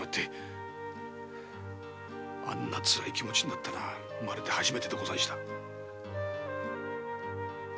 あんなつらい気持ちになったのは生まれて初めてでござんした。